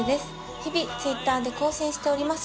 日々Ｔｗｉｔｔｅｒで更新しております